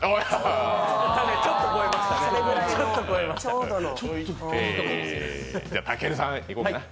ちょっと超えましたね。